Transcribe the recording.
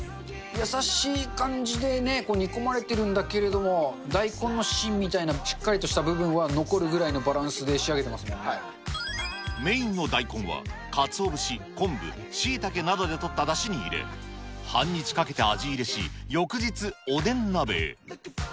優しい感じでね、煮込まれてるんだけど、大根の芯みたいなしっかりとした部分は残るぐらいのバランスで仕メインの大根は、かつお節、昆布、しいたけなどでとっただしに入れ、半日かけて味入れし、翌日、おでん鍋へ。